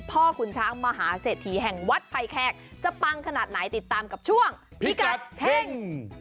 ขุนช้างมหาเศรษฐีแห่งวัดภัยแขกจะปังขนาดไหนติดตามกับช่วงพิกัดเฮ่ง